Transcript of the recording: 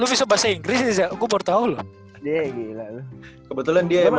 lu bisa bahasa inggris nih saya gua baru tau loh